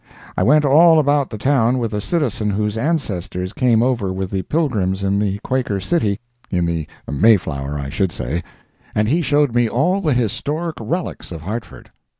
I went all about the town with a citizen whose ancestors came over with the Pilgrims in the Quaker City—in the Mayflower, I should say—and he showed me all the historic relics of Hartford.